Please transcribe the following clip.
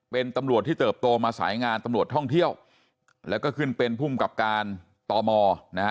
เป็นตำรวจที่เติบโตมาสายงานตำรวจท่องเที่ยวแล้วก็ขึ้นเป็นภูมิกับการตมนะฮะ